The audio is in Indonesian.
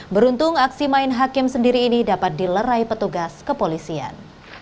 beruntung aksi main hakim sendiri ini dapat dilerai petugas kepolisian